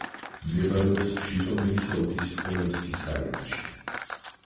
მდებარეობს ჟიტომირის ოლქის ოლევსკის რაიონში.